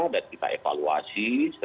dan kita evaluasikan